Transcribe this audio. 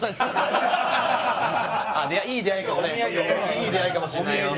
いい出会いかもしれないよ。